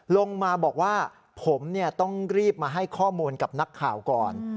ลงมาบอกว่าผมต้องรีบมาให้ข้อมูลกับนักข่าวก่อน